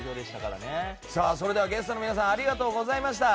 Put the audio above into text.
それではゲストの皆さんありがとうございました。